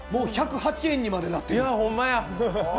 １０８円にまでなってる。